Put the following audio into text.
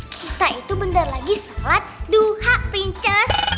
kita itu bentar lagi sholat duha princes